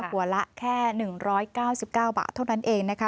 หัวละแค่๑๙๙บาทเท่านั้นเองนะคะ